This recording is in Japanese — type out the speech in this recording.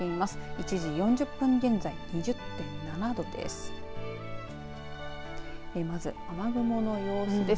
１時４０分現在２０．７度です。